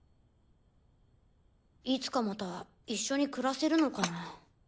いつかまた一緒に暮らせるのかな？